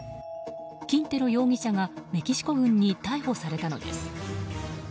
キンテロ容疑者がメキシコ軍に逮捕されたのです。